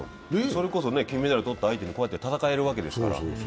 それこそ金メダル取った相手とこうやって戦えるわけですから。